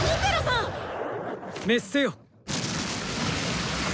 滅せよ！